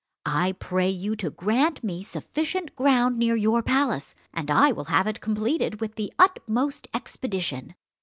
I pray you to grant me sufficient ground near your palace, and I will have it completed with the utmost expedition."